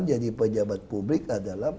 jadi pejabat publik adalah